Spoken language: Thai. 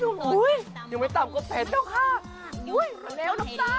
ออมสู้น้ำตาล